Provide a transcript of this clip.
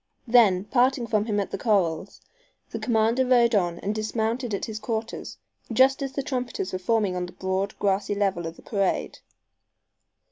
Then, parting from him at the corrals, the commander rode on and dismounted at his quarters just as the trumpeters were forming on the broad, grassy level of the parade.